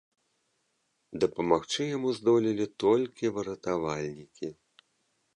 Дапамагчы яму здолелі толькі выратавальнікі.